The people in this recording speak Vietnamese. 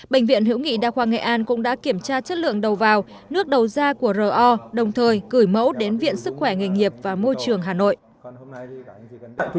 bệnh viện hữu nghị đa khoa nghệ an cũng đã kiểm tra chất lượng đầu vào nước đầu da của ro đồng thời gửi mẫu đến viện sức khỏe nghề nghiệp và môi trường hà nội